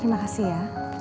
terima kasih ya